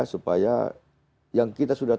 supaya yang kita sudah